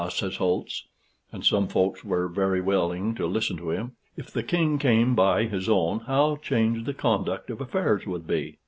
says Holtz (and some folks were very willing to listen to him), "if the king came by his own, how changed the conduct of affairs would be!